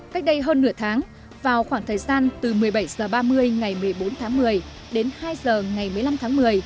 cách đây hơn nửa tháng vào khoảng thời gian từ một mươi bảy h ba mươi ngày một mươi bốn tháng một mươi đến hai h ngày một mươi năm tháng một mươi